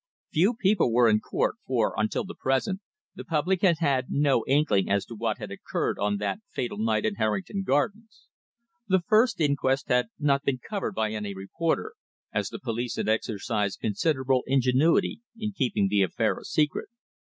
Few people were in court, for, until the present, the public had had no inkling as to what had occurred on that fatal night in Harrington Gardens. The first inquest had not been "covered" by any reporter, as the police had exercised considerable ingenuity in keeping the affair a secret.